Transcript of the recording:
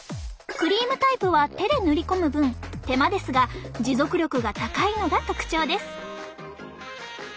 クリームタイプは手で塗り込む分手間ですが持続力が高いのが特徴です。